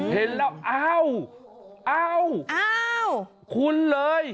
เห็นแล้วอ้าวคุ้นเลย